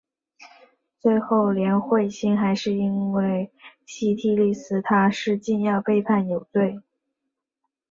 最后连惠心还是因为西替利司他是禁药被判有罪。